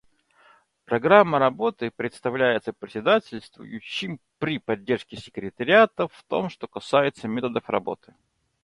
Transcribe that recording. Программа работы представляется председательствующим при поддержке секретариата в том, что касается методов работы.